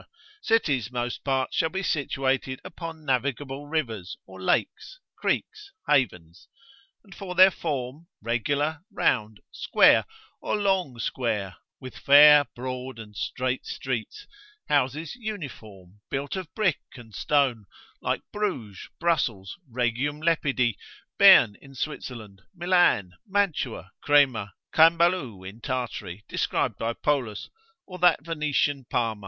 cities most part shall be situated upon navigable rivers or lakes, creeks, havens; and for their form, regular, round, square, or long square, with fair, broad, and straight streets, houses uniform, built of brick and stone, like Bruges, Brussels, Rhegium Lepidi, Berne in Switzerland, Milan, Mantua, Crema, Cambalu in Tartary, described by M. Polus, or that Venetian Palma.